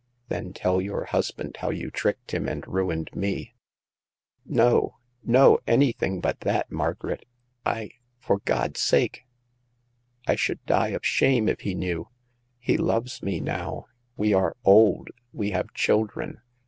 "Then tell your husband how you tricked him and ruined me." " No— no ! An5rthing but that, Margaret ! For God's sake ! I should die of shame if he knew. He loves me now ; we are old ; we have children.